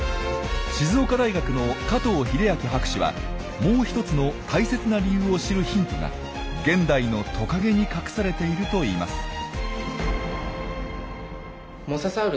静岡大学の加藤英明博士はもう一つの大切な理由を知るヒントが現代のトカゲに隠されているといいます。